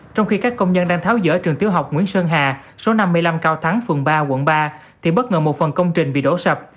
trong khi các công nhân đang tháo dỡ trường tiểu học nguyễn sơn hà số năm mươi năm cao thắng phường ba quận ba thì bất ngờ một phần công trình bị đổ sập